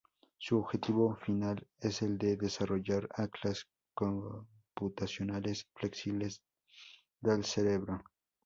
Su objetivo final es el de desarrollar Atlas computacionales flexibles del cerebro.